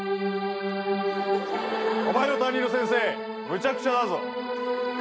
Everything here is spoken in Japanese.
お前の担任の先生むちゃくちゃだぞ。